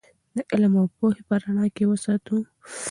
د علم او پوهې په رڼا کې یې وساتو.